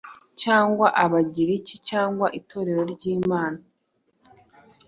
cyangwa abagiriki cyangwa itorero ry’imana